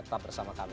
tetap bersama kami